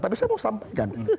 tapi saya mau sampaikan